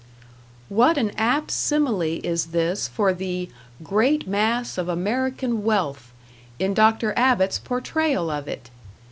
What an apt simile is this for the "great mass of American wealth," in Dr. Abbott's portrayal of it!